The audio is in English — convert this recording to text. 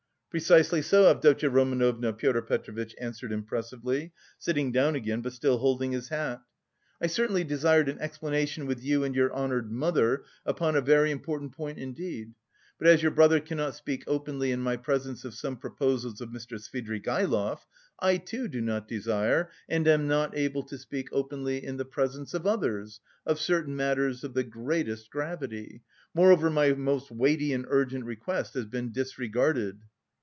"Precisely so, Avdotya Romanovna," Pyotr Petrovitch answered impressively, sitting down again, but still holding his hat. "I certainly desired an explanation with you and your honoured mother upon a very important point indeed. But as your brother cannot speak openly in my presence of some proposals of Mr. Svidrigaïlov, I, too, do not desire and am not able to speak openly... in the presence of others... of certain matters of the greatest gravity. Moreover, my most weighty and urgent request has been disregarded...."